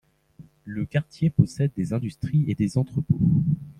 Le quartier possède des industries et des entrepôts.